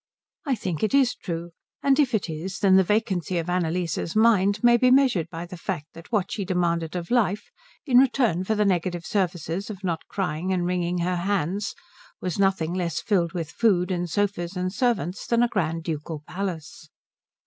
I think it is true; and if it is, then the vacancy of Annalise's mind may be measured by the fact that what she demanded of life in return for the negative services of not crying and wringing her hands was nothing less filled with food and sofas and servants than a grand ducal palace.